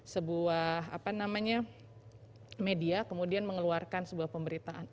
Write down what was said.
sebuah media kemudian mengeluarkan sebuah pemberitaan